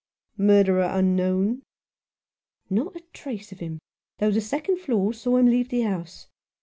" Murderer unknown ?" "Not a trace of him, though the second floor saw him leave the house.